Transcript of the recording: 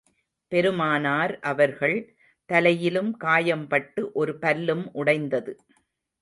பெருமானார் அவர்கள் தலையிலும் காயம் பட்டு, ஒரு பல்லும் உடைந்தது.